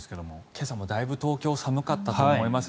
今朝もだいぶ東京寒かったと思います。